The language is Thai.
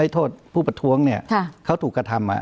โทษผู้ประท้วงเนี่ยเขาถูกกระทำ